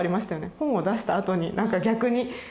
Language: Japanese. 本を出したあとになんか逆に。